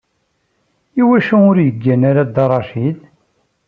Iwacu ur yeggan ara Dda Racid?